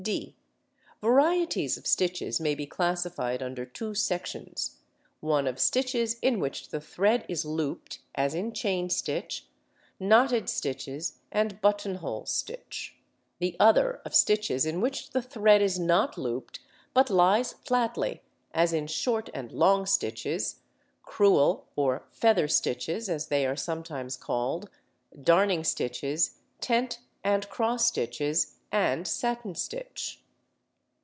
[Illustration: Fig. 2. Chain Stitch.] (d) Varieties of stitches may be classified under two sections: one of stitches in which the thread is looped, as in chain stitch, knotted stitches, and button hole stitch; the other of stitches in which the thread is not looped, but lies flatly, as in short and long stitches crewel or feather stitches as they are sometimes called, darning stitches, tent and cross stitches, and satin stitch. [Illustration: Fig. 3. Satin Stitch.